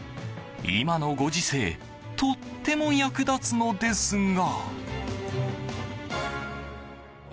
今のご時世とても役立つのですが。